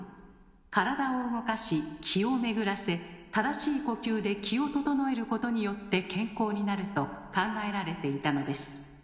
体を動かし気を巡らせ正しい呼吸で気を整えることによって健康になると考えられていたのです